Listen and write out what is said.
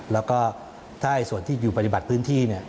แล้วก็ถ้าส่วนที่อยู่ปฏิบัติพื้นที่